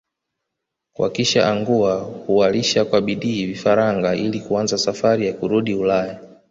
Wakishaangua huwalisha kwa bidii vifaranga ili kuanza safari kurudi Ulaya